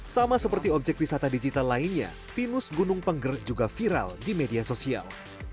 sama seperti objek wisata digital lainnya pinus gunung pengger juga viral di media sosial